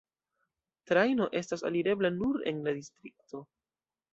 Trajno estas alirebla nur en la distrikto.